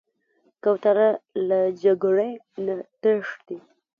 کوتره له جګړې نه تښتي.